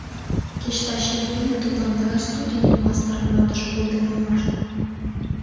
Кеч таче эрдене тудлан тыгай студеньым пасторын ватыже колтен улмаш.